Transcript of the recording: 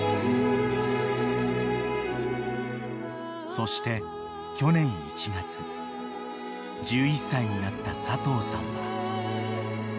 ［そして去年１月１１歳になった佐藤さんは］